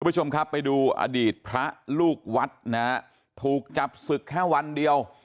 คุณผู้ชมครับไปดูอดีตพระลูกวัดนะฮะถูกจับศึกแค่วันเดียว